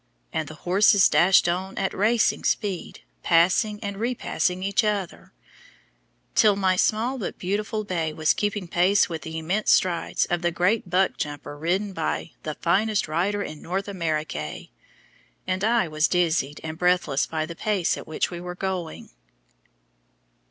and the horses dashed on at racing speed, passing and repassing each other, till my small but beautiful bay was keeping pace with the immense strides of the great buck jumper ridden by "the finest rider in North Americay," and I was dizzied and breathless by the pace at which we were going.